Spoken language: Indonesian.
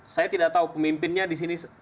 saya tidak tahu pemimpinnya di sini